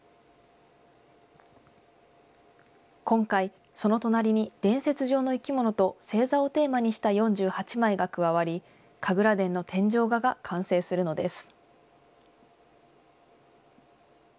今回、その隣に伝説上の生き物と星座をテーマにした４８枚が加わり、神楽殿の天井画が完成するのです。